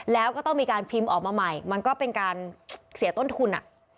แล้วก็ต้องมีการพิมพ์ออกมาใหม่มันก็เป็นการเสียต้นทุน